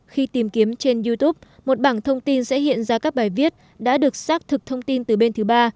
khi tìm kiếm trên youtube một bảng thông tin sẽ hiện ra các bài viết đã được xác thực thông tin từ bên thứ ba